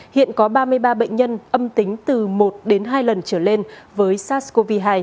hiện có ba mươi ba bệnh nhân âm tính từ một đến hai lần trở lên với sars cov hai